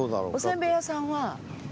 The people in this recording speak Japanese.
お煎餅屋さんは。